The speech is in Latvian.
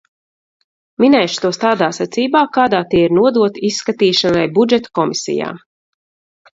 Minēšu tos tādā secībā, kādā tie ir nodoti izskatīšanai Budžeta komisijā.